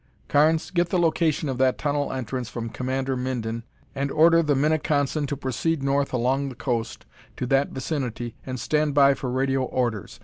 "Carnes, get the location of that tunnel entrance from Commander Minden and order the Minneconsin to proceed north along the coast to that vicinity and stand by for radio orders.